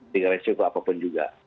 dengan resiko apapun juga